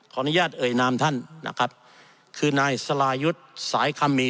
อนุญาตเอ่ยนามท่านนะครับคือนายสรายุทธ์สายคำมี